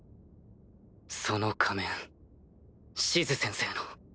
その仮面シズ先生の。